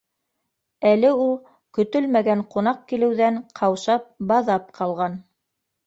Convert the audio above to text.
Әле ул көтөлмәгән ҡунаҡ килеүҙән ҡаушап, баҙап ҡалған.